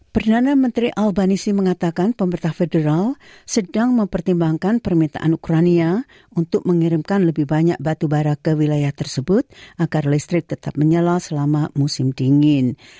perdana menteri albanisi mengatakan pemerintah federal sedang mempertimbangkan permintaan ukrania untuk mengirimkan lebih banyak batu bara ke wilayah tersebut agar listrik tetap menyala selama musim dingin